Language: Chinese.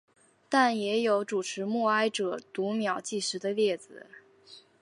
但也有主持默哀者读秒计时的例子。